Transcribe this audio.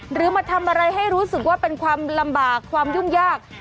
หรือมาทำอะไรให้รู้สึกว่าเป็นความลำบากความยุ่งยาก